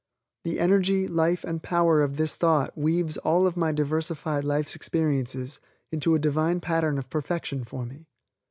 The energy, life and power of this thought weaves all of my diversified Life's experiences into a Divine pattern of perfection for me.